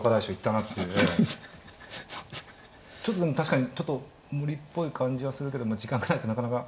確かにちょっと無理っぽい感じはするけども時間がないとなかなか。